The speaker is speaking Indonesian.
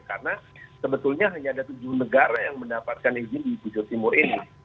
karena sebetulnya hanya ada tujuh negara yang mendapatkan izin di kudus timur ini